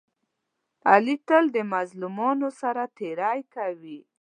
علي تل د مظلومانو سره تېری کوي.